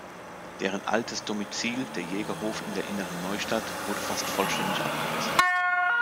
Deren altes Domizil, der Jägerhof in der Inneren Neustadt, wurde fast vollständig abgerissen.